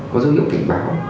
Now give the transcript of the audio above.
có dấu hiệu cảnh báo